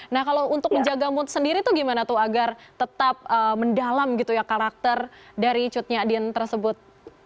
nah kalau untuk menjaga mood sendiri tuh gimana tuh agar tetap mendalam gitu ya karakter dari cutnya din tersebut